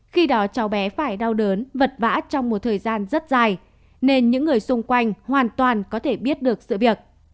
khi đó cháu bé phải đau đớn vật vã trong một thời gian rất dài nên những người xung quanh hoàn toàn có thể biết được sự việc